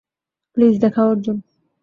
Please দেখাও, অর্জুন!